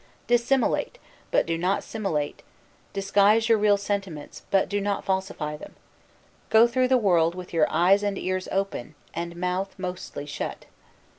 Dissimulate, but do not simulate, disguise your real sentiments, but do not falsify them. Go through the world with your eyes and ears open and mouth mostly shut.